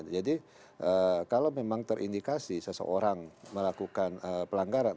kalau memang terindikasi seseorang melakukan pelanggaran